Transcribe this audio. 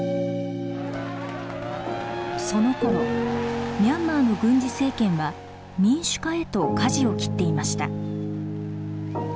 そのころミャンマーの軍事政権は民主化へとかじを切っていました。